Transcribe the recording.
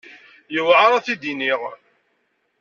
Yewɛeṛ ad t-id-iniɣ.